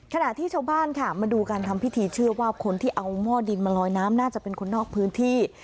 ขณะที่ชาวบ้านค่ะมาดูการทำพิธีเชื่อว่าคนที่เอาหม้อดินมาลอยน้ำน่าจะเป็นคนนอกพื้นที่